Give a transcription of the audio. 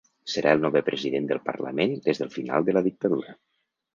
Serà el novè president del parlament des del final de la dictadura.